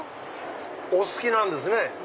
お好きなんですね。